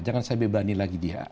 jangan saya bebani lagi dia